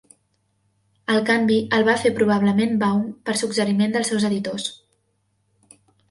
El canvi el va fer probablement Baum per suggeriment dels seus editors.